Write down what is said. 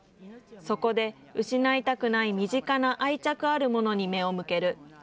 そこで、失いたくない身近な愛着あるものに目を向ける。